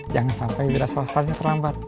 jangan sampai wira swastanya terlambat